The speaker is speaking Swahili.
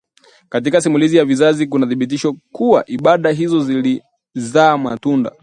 Katika simulizi za vizazi kuna thibitisho kuwa ibada hizo zilzaa matunda